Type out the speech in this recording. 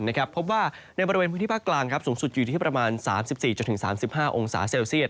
พบว่าในบริเวณพื้นที่ภาคกลางสูงสุดอยู่ที่ประมาณ๓๔๓๕องศาเซลเซียต